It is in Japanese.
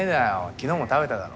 昨日も食べただろ？